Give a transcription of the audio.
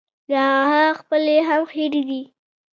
له هغه خپلې هم هېرې دي.